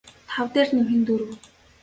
тав дээр нэмэх нь дөрөв